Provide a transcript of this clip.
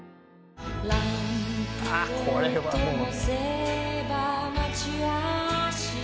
「あっこれはもう」